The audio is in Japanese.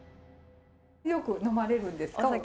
よく呑まれるんですか？